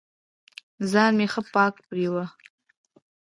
ځان مې ښه پاک پرېوه.